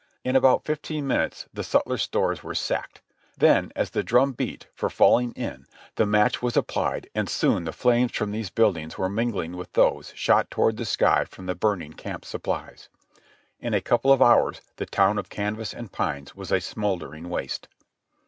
In about fifteen minutes the sutler stores were sacked. Then as the drum beat for falling in the match was applied and soon the flames from these buildings were mingling with those that shot toward the sky from the burning camp supplies. In a couple of hours the town of canvas and pines was a smouldering waste.